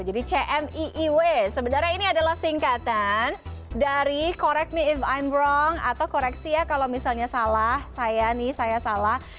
jadi c m i i w sebenarnya ini adalah singkatan dari correct me if i'm wrong atau koreksi ya kalau misalnya salah saya nih saya salah